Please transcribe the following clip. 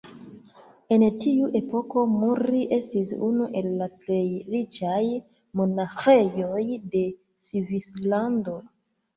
En tiu epoko Muri estis unu el la plej riĉaj monaĥejoj de Svislando.